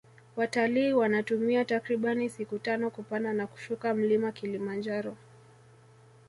watalii wanatumia takribani siku tano kupanda na kushuka mlima kilimanjaro